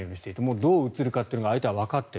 どう映るかって相手はわかっている。